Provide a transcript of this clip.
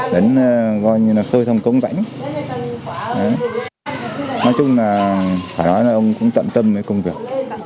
đến coi như là khơi thông cống rãnh nói chung là phải nói là ông cũng tận tâm với công việc